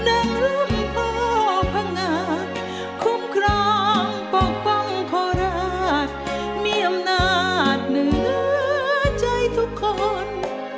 อาโมเหมือนดังร่ำพ่อพระงาคคุ้มครองปกป้องพ่อราชมีอำนาจเหนือใจทุกคน